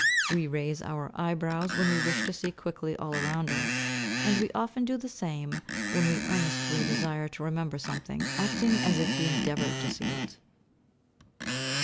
We raise our eyebrows when we wish to see quickly all round us, and we often do the same, when we earnestly desire to remember something; acting as if we endeavoured to see it.